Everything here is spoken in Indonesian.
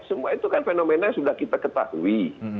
semua itu kan fenomena yang sudah kita ketahui